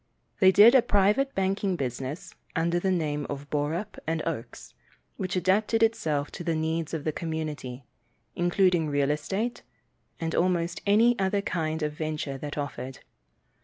They did a private banking business, under the name of Borup & Oakes, which adapted itself to the needs of the community, including real estate, and almost any other kind of venture that offered.